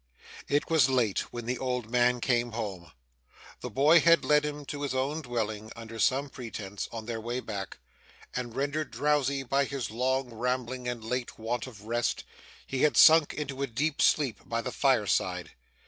It was late when the old man came home. The boy had led him to his own dwelling, under some pretence, on their way back; and, rendered drowsy by his long ramble and late want of rest, he had sunk into a deep sleep by the fireside.